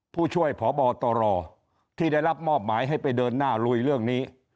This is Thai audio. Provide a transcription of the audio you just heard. ผู้ช่วยพบตรที่ได้รับมอบหมายให้ไปเดินหน้าลุยเรื่องนี้